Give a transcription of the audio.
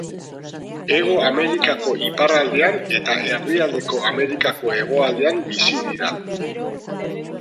Hego Amerikako iparraldean eta Erdialdeko Amerikako hegoaldean bizi dira.